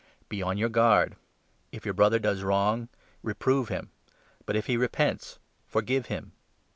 Be on your guard ! If 3 On deaiin your brother does wrong, reprove him ; but, if he with " repents, forgive him.